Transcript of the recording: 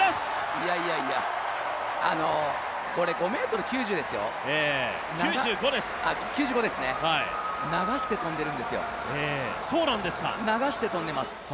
いやいやいや、これ５ｍ９５ですよ、流して跳んでるんですよ、流して跳んでます。